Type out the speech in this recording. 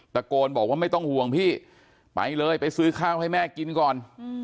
ตะโกนบอกว่าไม่ต้องห่วงพี่ไปเลยไปซื้อข้าวให้แม่กินก่อน